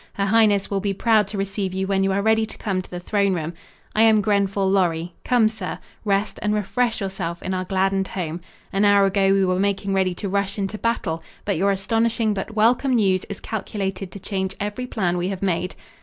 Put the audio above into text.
Her highness will be proud to receive you when you are ready to come to the throne room. I am Grenfall Lorry. Come, sir; rest and refresh yourself in our gladdened home. An hour ago we were making ready to rush into battle; but your astonishing but welcome news is calculated to change every plan we have made."